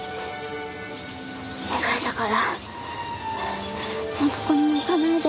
お願いだからもうどこにも行かないで。